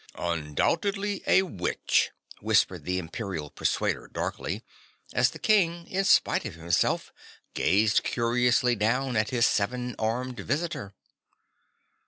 "Undoubtedly a witch," whispered the Imperial Persuader darkly, as the King in spite of himself gazed curiously down at his seven armed visitor.